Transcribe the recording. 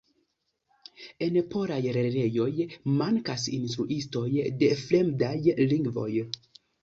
En polaj lernejoj mankas instruistoj de fremdaj lingvoj.